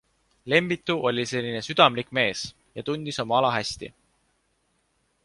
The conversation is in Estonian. Lembitu oli selline südamlik mees ja tundis oma ala hästi.